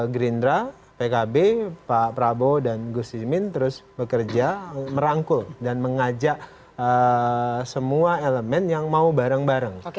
gerindra pkb pak prabowo dan gus imin terus bekerja merangkul dan mengajak semua elemen yang mau bareng bareng